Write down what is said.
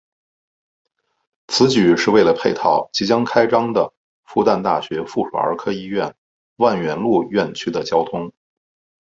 此举是为了配套即将开张的复旦大学附属儿科医院万源路院区的交通。